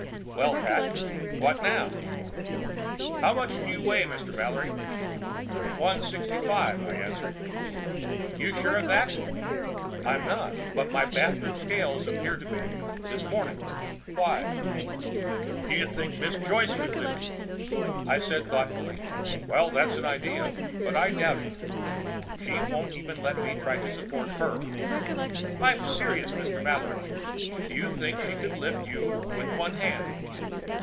"Well, Pat? What now?" "How much do you weigh, Mr. Mallory?" "One sixty five," I answered. "You're sure of that?" "I'm not. But my bathroom scales appeared to be. This morning. Why?" "Do you think Miss Joyce could lift you?" I said thoughtfully, "Well, that's an idea. But I doubt it. She won't even let me try to support her." "I'm serious, Mr. Mallory. Do you think she could lift you with one hand?"